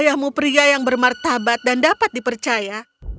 ayahmu pria yang bermartabat dan dapat dipercaya